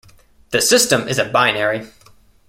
The system is a binary.